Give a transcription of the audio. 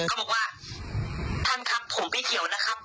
ก็บอกว่าท่านครับผมไม่เกี่ยวนะครับ